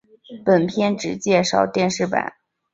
本篇只介绍电视版。